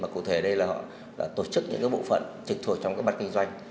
cụ thể đây là họ tổ chức những bộ phận trịch thuộc trong các bắt kinh doanh